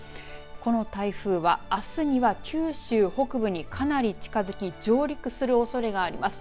この台風は、あすには九州北部にかなり近づき上陸するおそれがあります。